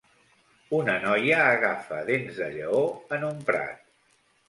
Una noia agafa dents de lleó en un prat.